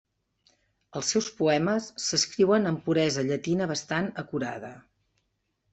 Els seus poemes s'escriuen amb puresa llatina bastant acurada.